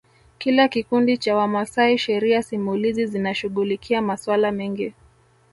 kila kikundi cha Wamasai Sheria simulizi zinashughulikia masuala mengi